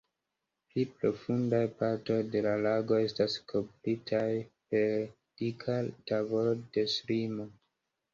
Pli profundaj partoj de la lago estas kovritaj per dika tavolo de ŝlimo.